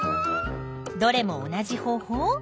どれも同じ方法？